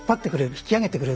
引き上げてくれる。